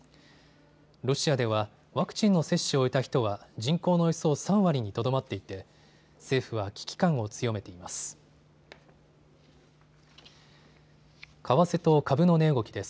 ロシアではワクチンの接種を終えた人は人口のおよそ３割にとどまっていて政府は危機感を強めています。